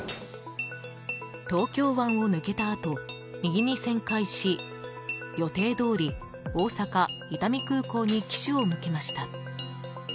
東京湾を抜けたあと右に旋回し予定どおり、大阪・伊丹空港に機首を向けました。